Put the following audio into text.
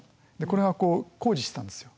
これが工事してたんですよ。